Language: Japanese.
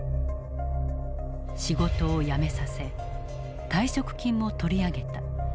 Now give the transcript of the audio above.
仕事を辞めさせ退職金も取り上げた。